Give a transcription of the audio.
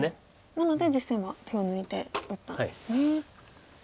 なので実戦は手を抜いて打ったんですね。